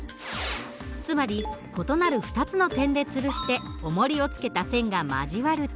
つまり異なる２つの点でつるしておもりを付けた線が交わる点